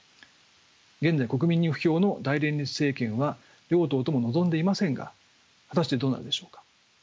現在国民に不評の大連立政権は両党とも望んでいませんが果たしてどうなるでしょうか。